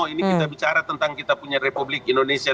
ini kita bicara tentang kita punya republik indonesia